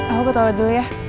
aku ke toilet dulu ya